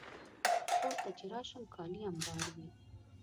کور ته چې راشم، کالي امبار وي.